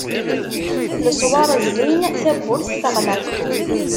Leswar zzin, tawwurt teɣleq.